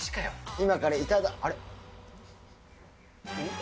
今から頂くあれ？